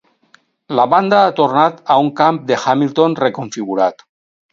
La banda ha tornat a un camp de Hamilton reconfigurat.